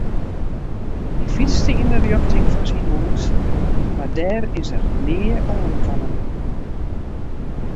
Hy fytste yn 'e rjochting fan syn hús mar dêr is er nea oankommen.